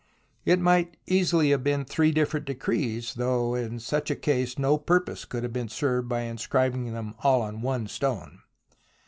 It might easily have been three different decrees, though in such a case no pur pose could have been served by inscribing them all on one stone.